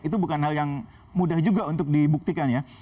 itu bukan hal yang mudah juga untuk dibuktikan ya